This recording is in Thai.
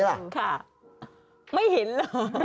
ค่ะไม่เห็นเหรอ